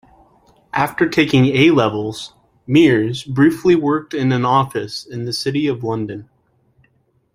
After taking A-levels, Mears briefly worked in an office in the City of London.